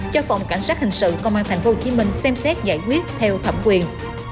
cho phòng cảnh sát hình sự công an tp hcm xem xét giải quyết theo thẩm quyền